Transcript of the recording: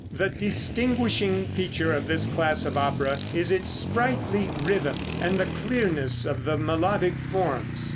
The distinguishing feature of this class of opera is its sprightly rhythm, and the clearness of the melodic forms.